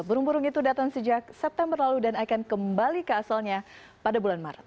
burung burung itu datang sejak september lalu dan akan kembali ke asalnya pada bulan maret